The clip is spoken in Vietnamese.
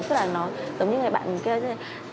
tức là nó giống như người bạn kia vậy